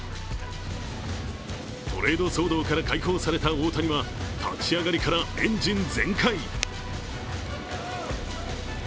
トレード騒動から解放された大谷は、立ち上がりからエンジン全開！